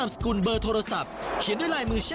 ผู้โชคดีได้แก